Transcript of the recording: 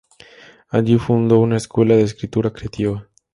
Allí fundó una escuela de escritura creativa.